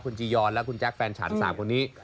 คุณจียอนและคุณแจ๊คแฟนฉัน๓คนนี้